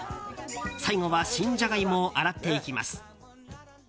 最後は新ジャガイモを洗っていきます。